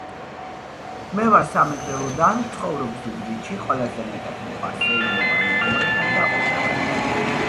მე ვარ სამეგრელოდან ვცხოვრობ ზუგდიდში ყველაზე მეტად მიყვარს სეირნობა მეგობრებთან და ოჯახთან.